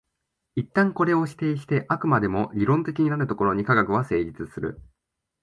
一旦これを否定して飽くまでも理論的になるところに科学は成立する。